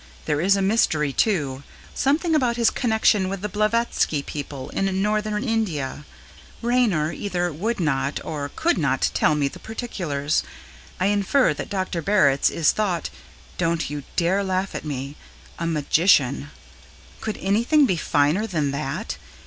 There is a mystery, too something about his connection with the Blavatsky people in Northern India. Raynor either would not or could not tell me the particulars. I infer that Dr. Barritz is thought don't you dare to laugh at me a magician! Could anything be finer than that?